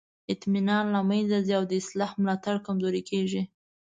اطمینان له منځه ځي او د اصلاح ملاتړ کمزوری کیږي.